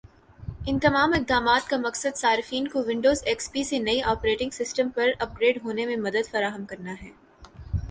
ان تمام اقدامات کا مقصد صارفین کو ونڈوز ایکس پی سے نئے آپریٹنگ سسٹم پر اپ گریڈ ہونے میں مدد فراہم کرنا ہے